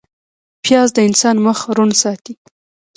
پیاز د انسان مخ روڼ ساتي